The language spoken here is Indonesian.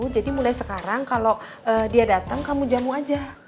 jadi mulai sekarang kalau dia datang kamu jamu aja